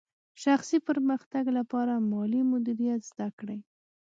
شخصي پرمختګ لپاره مالي مدیریت زده کړئ.